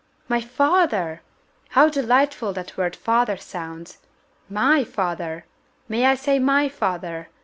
"My father! How delightful that word father sounds! My father? May I say my father?